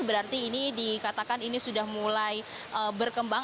berarti ini dikatakan ini sudah mulai berkembang